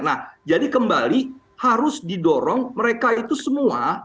nah jadi kembali harus didorong mereka itu semua